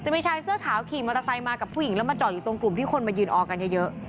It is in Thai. มีชายเสื้อขาวขี่มอเตอร์ไซค์มากับผู้หญิงแล้วมาจอดอยู่ตรงกลุ่มที่คนมายืนออกกันเยอะ